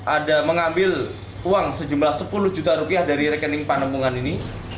ada mengambil uang sejumlah sepuluh juta rupiah dari rekening panembungan ini